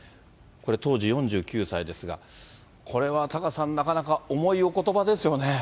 これ、当時４９歳ですが、これはタカさん、なかなか重いおことばですよね。